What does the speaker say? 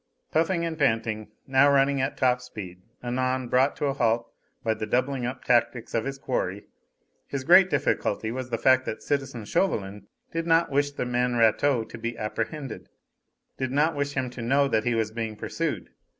Puffing and panting, now running at top speed, anon brought to a halt by the doubling up tactics of his quarry, his great difficulty was the fact that citizen Chauvelin did not wish the man Rateau to be apprehended; did not wish him to know that he was being pursued.